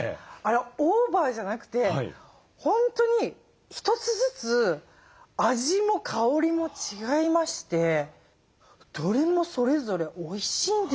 オーバーじゃなくて本当に一つずつ味も香りも違いましてどれもそれぞれおいしいんですよ。